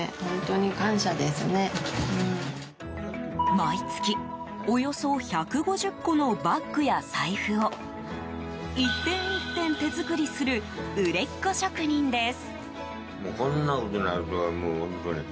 毎月、およそ１５０個のバッグや財布を１点１点手作りする売れっ子職人です。